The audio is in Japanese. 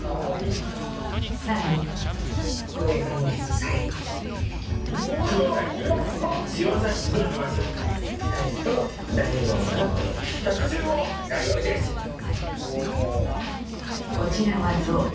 更にこちらはゾウ。